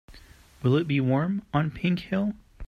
Will it be warm on Pink Hill?